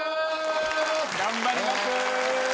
頑張ります。